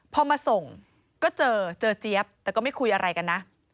พอมาส่งก็เจอเจอเจี๊ยบแต่ก็ไม่คุยอะไรกันนะ